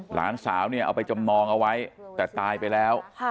หลานสาวเนี่ยเอาไปจำนองเอาไว้แต่ตายไปแล้ว